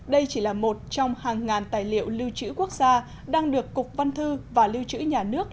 đây chỉ là một trong hàng ngàn tài liệu lưu trữ quốc gia đang được cục văn thư và lưu trữ nhà nước